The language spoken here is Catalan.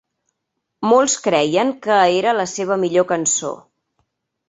Molts creien que era la seva millor cançó.